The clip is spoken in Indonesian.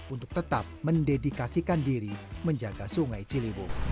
untuk tetap mendedikasikan diri menjaga sungai ciliwung